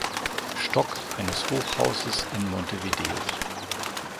Stock eines Hochhauses in Montevideo.